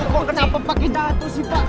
kok kenapa pake dato sih pak